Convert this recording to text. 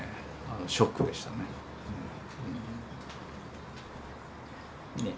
ショックでしたね。ね。